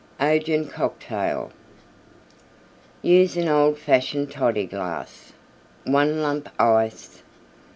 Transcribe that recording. OJEN COCKTAIL Use an old fashion Toddy glass. 1 lump Ice.